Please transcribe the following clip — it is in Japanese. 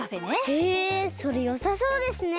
へえそれよさそうですね。